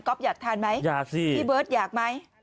ก๊อบอยากทานไหมพี่เบิร์ตอยากไหมอยากสิ